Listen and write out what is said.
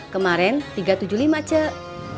kemaren tiga tujuh lima cek